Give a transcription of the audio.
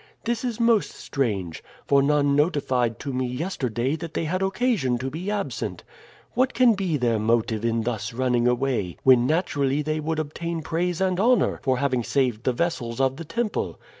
This is most strange, for none notified to me yesterday that they had occasion to be absent. What can be their motive in thus running away when naturally they would obtain praise and honor for having saved the vessels of the temple?